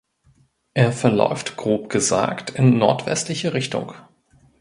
Er verläuft grob gesagt in nordwestliche Richtung.